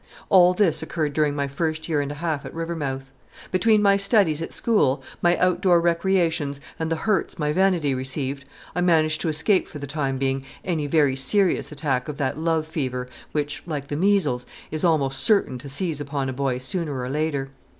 All this occurred during my first year and a half at Rivermouth. Between my studies at school, my out door recreations, and the hurts my vanity received, I managed to escape for the time being any very serious attack of that love fever which, like the measles, is almost certain to seize upon a boy sooner or later.